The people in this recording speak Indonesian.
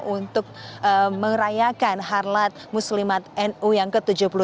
untuk merayakan harlat muslimat nu yang ke tujuh puluh tiga